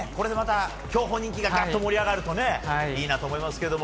競歩人気が盛り上がるといいなと思いますけども。